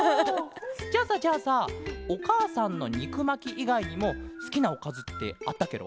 じゃあさじゃあさおかあさんのにくまきいがいにもすきなおかずってあったケロ？